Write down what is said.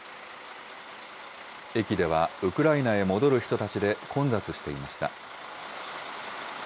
駅ではウクライナへ戻る人たちで混雑していました。